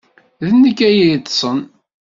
D nekk ay yeḍḍsen.